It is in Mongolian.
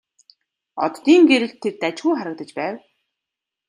Оддын гэрэлд тэр дажгүй харагдаж байв.